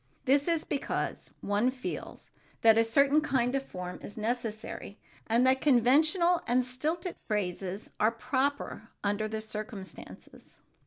This is because one feels that a certain kind of form is necessary and that conventional and stilted phrases are proper under the circumstances.